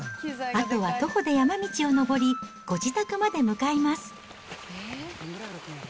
あとは徒歩で山道を登り、ご自宅まで向かいます。